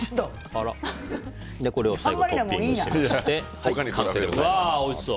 最後にトッピングしまして完成でございます。